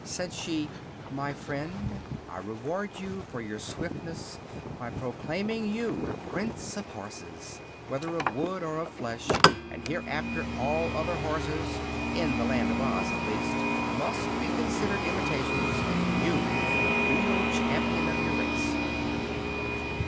Said she: "My friend, I reward you for your swiftness by proclaiming you Prince of Horses, whether of wood or of flesh; and hereafter all other horses in the Land of Oz, at least must be considered imitations, and you the real Champion of your race."